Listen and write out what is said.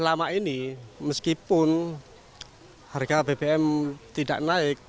selama ini meskipun harga bbm tidak naik